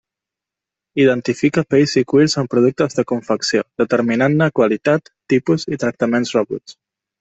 Identifica pells i cuirs en productes de confecció, determinant-ne qualitat, tipus i tractaments rebuts.